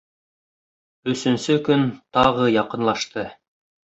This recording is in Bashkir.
Өсөнсө көн тағы яҡынлашты.